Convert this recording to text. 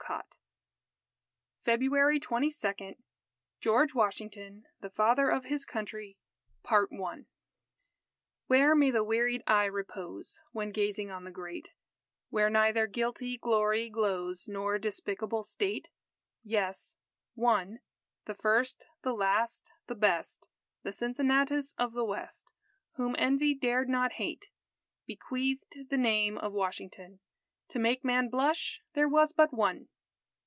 _ FEBRUARY 22 GEORGE WASHINGTON THE FATHER OF HIS COUNTRY _Where may the wearied eye repose, When gazing on the Great; Where neither guilty glory glows, Nor despicable state? Yes one the first the last the best The Cincinnatus of the West, Whom Envy dared not hate, Bequeathed the name of Washington, To make man blush there was but one!